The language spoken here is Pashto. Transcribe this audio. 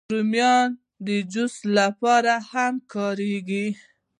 رومیان د جوس لپاره هم کارېږي